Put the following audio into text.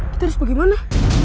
kita harus bagaimana